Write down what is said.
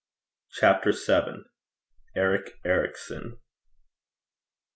CHAPTER VII. ERIC ERICSON.